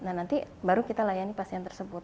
nah nanti baru kita layani pasien tersebut